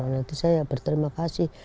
kemurahan hati saya ya berterima kasih